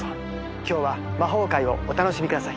今日は魔法界をお楽しみください。